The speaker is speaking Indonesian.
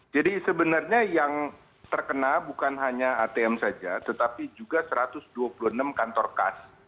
jadi sebenarnya yang terkena bukan hanya atm saja tetapi juga satu ratus dua puluh enam kantor kas